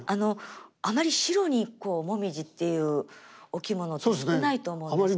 あまり白に紅葉っていうお着物って少ないと思うんですけども。